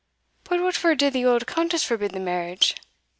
"But what for did the auld Countess forbid the marriage?"